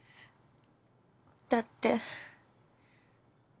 だって。